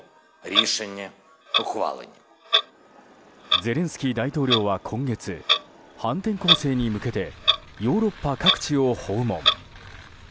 ゼレンスキー大統領は今月反転攻勢に向けてヨーロッパ各地を訪問。